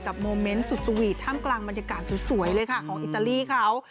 โมเมนต์สุดสวีทท่ามกลางบรรยากาศสวยเลยค่ะของอิตาลีเขา